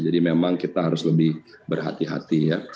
jadi memang kita harus lebih berhati hati ya